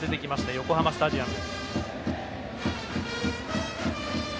横浜スタジアム。